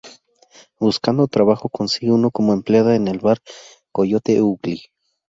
Buscando trabajo, consigue uno como empleada en el bar Coyote Ugly.